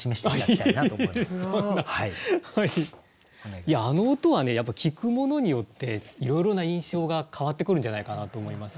いやあの音はねやっぱ聞く者によっていろいろな印象が変わってくるんじゃないかなと思います。